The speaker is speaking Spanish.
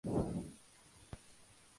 Fue sobrino de doctor Emilio Luque.